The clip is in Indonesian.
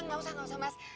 nggak usah nggak usah mas